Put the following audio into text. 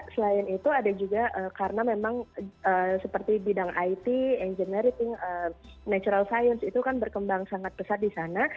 selain itu ada juga karena memang seperti bidang it engineering natural science itu kan berkembang sangat besar di sana